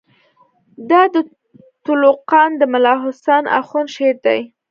دا د تُلُقان د ملاحسن آخوند شعر دئ.